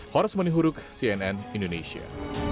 horas menihuruk cnn indonesia